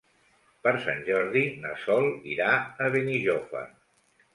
Per Sant Jordi na Sol irà a Benijòfar.